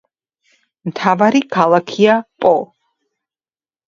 მთავარი ქალაქია პო.